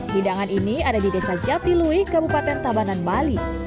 hidangan ini ada di desa jatilui kabupaten tabanan bali